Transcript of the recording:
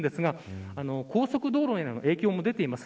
高速道路にも影響が出ています。